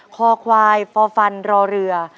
คอควายฟอร์ฟันรอเรือ